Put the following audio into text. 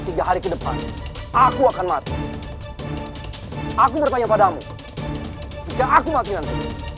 tiga hari ke depan aku akan mati aku bertanya padamu jika aku mati nanti